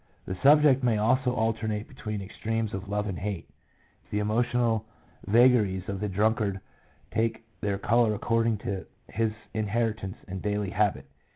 The subject may also alternate between extremes of love and hate. " The emotional vagaries of the drunkard take their colour according to his inheritance and daily habit.